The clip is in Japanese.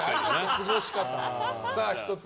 過ごし方。